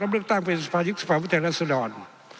และเลือกตั้งอุทิศภาคมอุทิศภาคมวิทยาลัยรัฐศิลป์